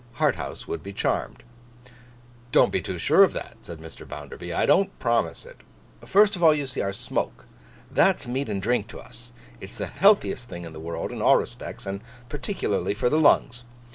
Harthouse would be charmed. 'Don't be too sure of that,' said Bounderby. 'I don't promise it. First of all, you see our smoke. That's meat and drink to us. It's the healthiest thing in the world in all respects, and particularly for the lungs.